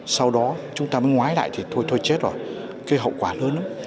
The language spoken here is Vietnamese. sau đó chúng ta mới ngoái lại thì thôi chết rồi cái hậu quả lớn lắm